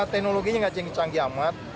teknologinya tidak canggih canggih amat